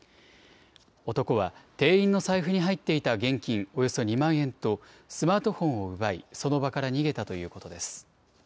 男は、店員の財布に入っていた現金およそ２万円とスマートフォンを奪い、その場から逃げたということです。